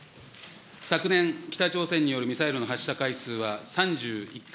昨年、北朝鮮によるミサイルの発射回数は３１回。